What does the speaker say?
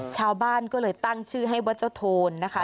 ชาวบ้านก็เลยตั้งชื่อให้ว่าเจ้าโทนนะคะ